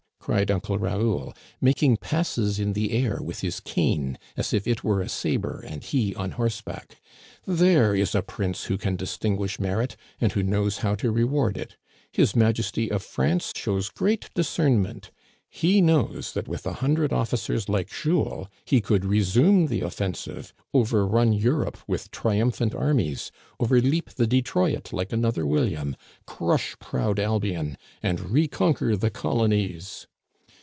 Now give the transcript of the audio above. cried Uncle Raoul, making passes in the air with his cane, as if it were a saber and he on horseback. There is a prince who can distinguish merit, and who knows how to reward it. His Majesty of France shows great dis cernment. He knows that with a hundred officers like Jules he could resume the offensive, overrun Europe with triumphant armies, overleap the Detroit like an other William, crush proud Albion, and reconquer the colonies